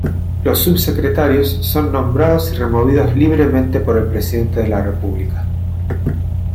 Los subsecretarios son nombrados y removidos libremente por el presidente de la República.